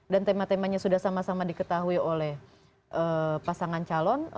dan tema temanya sudah sama sama diketahui oleh pasangan calon